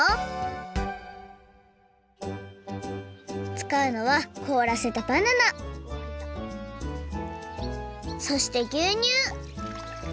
つかうのはこおらせたバナナそしてぎゅうにゅう